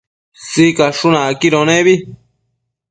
Sicashun acquido nebi